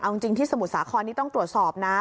เอาจริงที่สมุทรสาครนี่ต้องตรวจสอบนะ